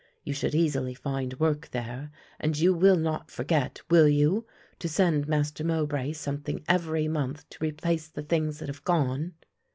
You should easily find work there and you will not forget, will you, to send Master Mowbray something every month to replace the things that have gone?